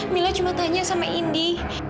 mila cuma tanya sama indi